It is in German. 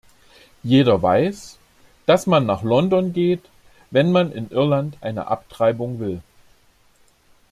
Jeder weiß, dass man nach London geht, wenn man in Irland eine Abtreibung will.